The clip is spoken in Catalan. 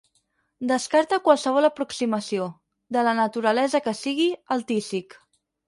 Descarta qualsevol aproximació, de la naturalesa que sigui, al tísic.